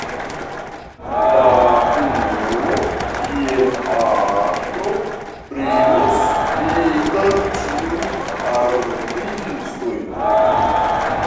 La junulo kiel astro brilos inter ĉiuj artistoj.